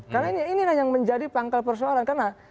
karena ini yang menjadi pangkal persoalan